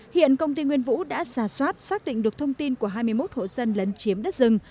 hiện công ty nguyên vũ đã giả soát xác định được thông tin của hai mươi một hộ dân lấn chiếm đất rừng